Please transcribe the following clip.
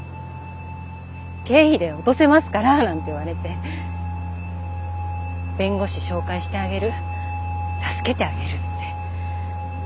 「経費で落とせますから」なんて言われて弁護士紹介してあげる助けてあげるって。